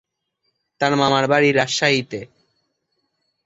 তার মামার বাড়ি রাজশাহীতে।